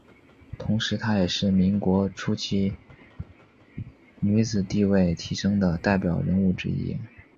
同时她也是民国初年女子地位提升的代表人物之一。